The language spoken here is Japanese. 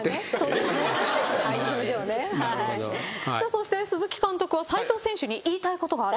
そして鈴木監督は斉藤選手に言いたいことがある。